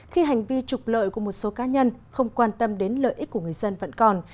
khi hành vi trục lợi của một số cá nhân không quan tâm đến lợi ích của người dân vẫn còn